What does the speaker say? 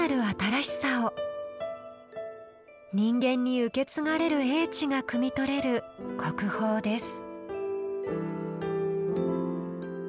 人間に受け継がれる英知がくみ取れる国宝です。